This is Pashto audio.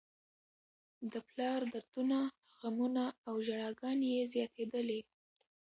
د پلار دردونه، غمونه او ژړاګانې یې زياتېدلې.